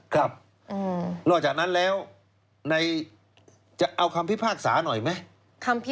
ครับนอกจากนั้นแล้วจะเอาคำพิพากษาหน่อยไหม